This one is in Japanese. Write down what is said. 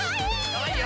かわいい。